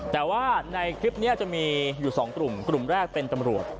แต่ว่าในคลิปนี้จะมีอยู่๒กลุ่มกลุ่มแรกเป็นตำรวจ